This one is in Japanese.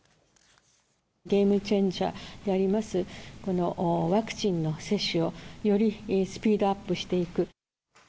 ゲームチェンジャーであります、このワクチンの接種を、よりスピードアップしていく。